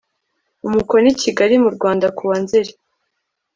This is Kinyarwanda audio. umukono i kigali mu rwanda ku wa nzeri